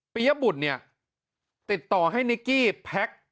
ยบุตรเนี่ยติดต่อให้นิกกี้แพ็ค